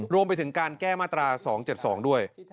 รวมไปถึงการแก้มาตรา๒๗๒ด้วย